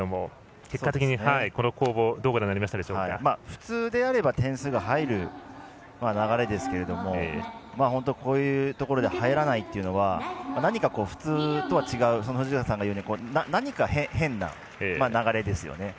結果的にこの攻防普通であれば点数が入る流れですけどこういうところで入らないというのは何か普通とは違う藤川さんが言うように何か変な流れですよね。